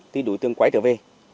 thì đối tượng quay trở về